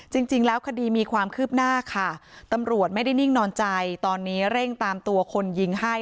จริงแล้วคดีมีความคืบหน้าค่ะตำรวจไม่ได้นิ่งนอนใจตอนนี้เร่งตามตัวคนยิงให้